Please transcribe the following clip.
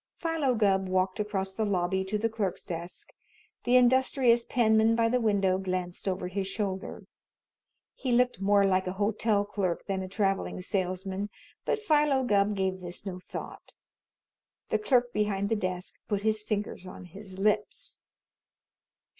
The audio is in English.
Philo Gubb walked across the lobby to the clerk's desk. The industrious penman by the window glanced over his shoulder. He looked more like a hotel clerk than like a traveling salesman, but Philo Gubb gave this no thought. The clerk behind the desk put his fingers on his lips.